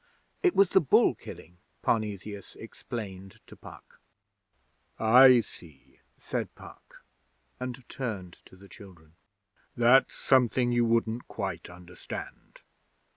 It was the Bull Killing,' Parnesius explained to Puck. 'I see, said Puck, and turned to the children. 'That's something you wouldn't quite understand.